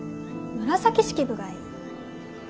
紫式部がいい。